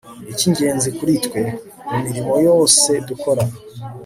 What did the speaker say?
icy'ingenzi kuri twe - mu mirimo yose dukora